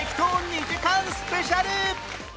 ２時間スペシャル